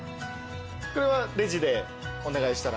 これはレジでお願いしたら。